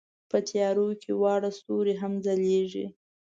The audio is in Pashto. په تیارو کې واړه ستوري هم ځلېږي.